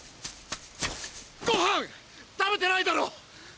ご飯食べてないだろ！